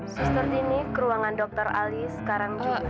suster dini ke ruangan dr ali sekarang juga